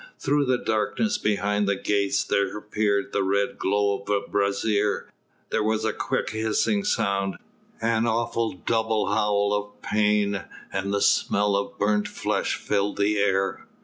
Through the darkness behind the gates there appeared the red glow of a brazier, there was a quick hissing sound, an awful double howl of pain and the smell of burnt flesh filled the air.